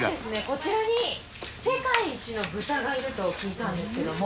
こちらに、世界一の豚がいると聞いたんですけども。